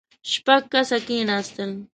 شپږ کسه کېناستل.